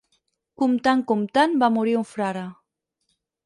Comptant, comptant, va morir un frare.